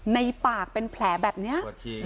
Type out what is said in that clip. ในปากเป็นแผลแบบนี้